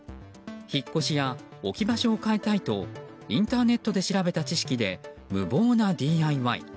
引っ越しや置き場所を変えたいとインターネットで調べた知識で無謀なＤＩＹ。